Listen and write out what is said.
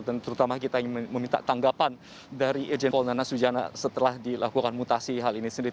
dan terutama kita ingin meminta tanggapan dari irjen pol nana sujana setelah dilakukan mutasi hal ini sendiri